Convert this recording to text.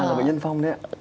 mà là bệnh nhân phong đấy ạ